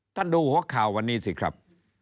ดูหัวข่าววันนี้สิครับ